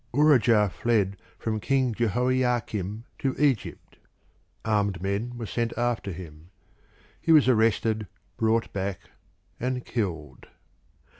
Urijah fled from King Jehoiakim to Egypt; armed men were sent after him; he was arrested, brought back and killed.